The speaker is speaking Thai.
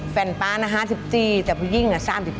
ป๊านะ๕๔แต่ผู้หญิง๓๔